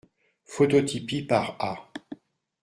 Phototypie par A.